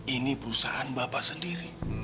ini perusahaan bapak sendiri